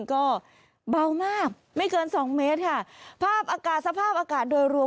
ก็เบามากไม่เกินสองเมตรค่ะภาพอากาศสภาพอากาศโดยรวม